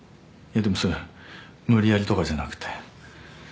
でもそれ無理やりとかじゃなくて。